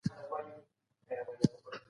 د توکیو په کنفرانس کي نړیوالي مرستي اعلان سوې.